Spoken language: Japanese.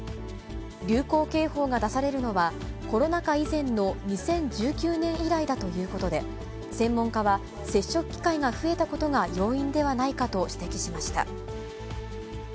流行警報が出されるのは、コロナ禍以前の２０１９年以来だということで、専門家は、接触機会が増えたことが要因ではないかと指摘しました。